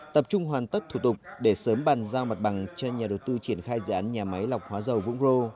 tập trung hoàn tất thủ tục để sớm bàn giao mặt bằng cho nhà đầu tư triển khai dự án nhà máy lọc hóa dầu vũng rô